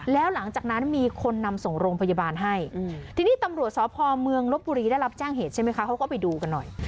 แล้วหลังจากนั้นมีคนนำส่งโรงพยาบาลให้ทีนี้ตำรวจสพเมืองลบบุรีได้รับแจ้งเหตุใช่ไหมคะเขาก็ไปดูกันหน่อย